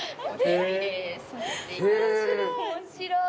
面白い。